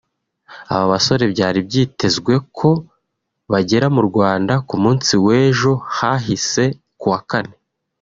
Aba basore byari byitezwe ko bagera mu Rwanda ku munsi w’ejo hashize(Kuwa kane)